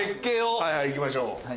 行きましょうか。